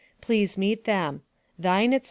Please meet them. Thine, &c.